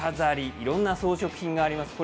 いろんな装飾品があります。